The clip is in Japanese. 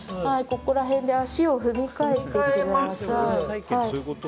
ここら辺で足を踏み替えてください。